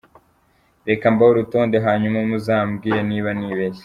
Reka mbahe urutonde, hanyuma muzambwire niba nibeshye.